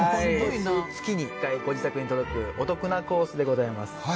月に１回ご自宅に届くお得なコースでございます。